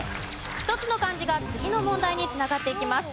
一つの漢字が次の問題に繋がっていきます。